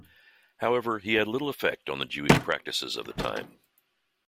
However, he had little effect on the Jewish practices of the time.